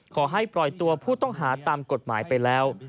ขอให้ปล่อยตัวผู้ต้องหาตามกฎหมายไปแล้ว